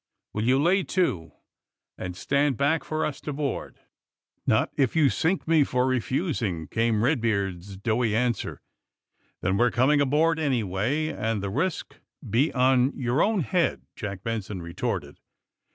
Will you lay to and stand back for us to board?" AND THE SMUGGLERS 227 Not if you sink me for refusing!'^ came Eed beard's doughty answer. ^^Then we're coming aboard, anyway, and the risk be on your own bead," Jack Benson re torted.